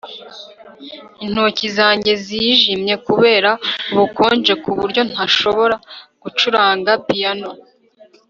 intoki zanjye zijimye kubera ubukonje kuburyo ntashobora gucuranga piyano